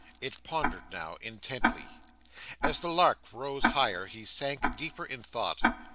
It pondered now, intently. As the lark rose higher, he sank deeper in thought.